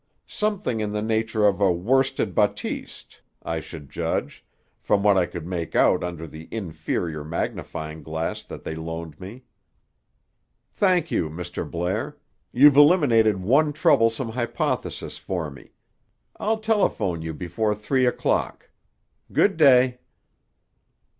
Something in the nature of a worsted batiste, I should judge, from what I could make out under the inferior magnifying glass that they loaned me." "Thank you, Mr. Blair. You've eliminated one troublesome hypothesis for me. I'll telephone you before three o'clock. Good day."